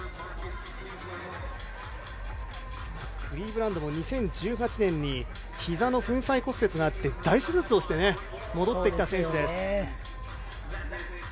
クリーブランドも２０１８年にひざの粉砕骨折があって大手術をして戻ってきた選手です。